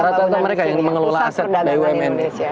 rata rata mereka yang mengelola aset bumn